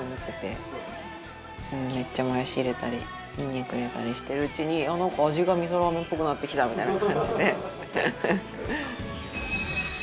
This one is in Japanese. めっちゃもやし入れたりニンニク入れたりしてるうちにあっなんか味が味噌ラーメンっぽくなってきたみたいな感じで。